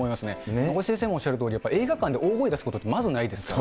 名越先生もおっしゃるとおり、やっぱり映画館で大声出すことってまずないですから。